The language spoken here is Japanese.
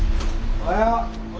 おはよう。